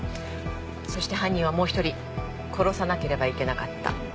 そして犯人はもう一人殺さなければいけなかった。